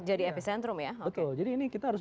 jadi epicentrum ya betul jadi ini kita harus